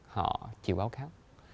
họ chịu báo cáo